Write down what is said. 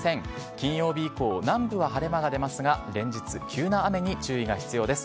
金曜日以降、南部は晴れ間が出ますが、連日、急な雨に注意が必要です。